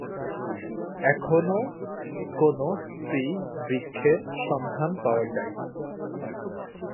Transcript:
এখনো কোন স্ত্রী বৃক্ষের সন্ধান পাওয়া যায়নি।